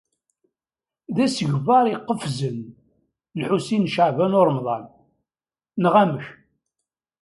D asegbar iqefzen, Lḥusin n Caɛban u Ṛemḍan: neɣ amek?